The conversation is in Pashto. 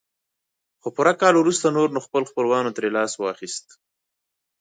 خو پوره کال وروسته نور نو خپل خپلوانو ترې لاس واخيست.